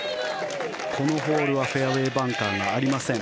このホールはフェアウェーバンカーがありません。